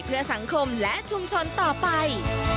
เพื่อสังคมและชุมชนต่อไป